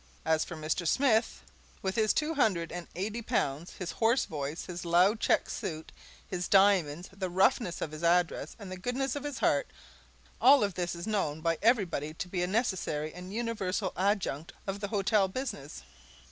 As for Mr. Smith, with his two hundred and eighty pounds, his hoarse voice, his loud check suit, his diamonds, the roughness of his address and the goodness of his heart, all of this is known by everybody to be a necessary and universal adjunct of the hotel business.